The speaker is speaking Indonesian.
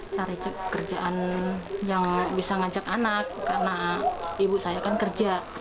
cari kerjaan yang bisa ngajak anak karena ibu saya kan kerja